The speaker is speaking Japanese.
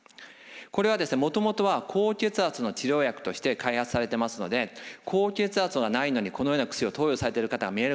これはもともとは高血圧の治療薬として開発されてますので高血圧はないのにこのような薬を投与されてる方がみえるかも分かりません。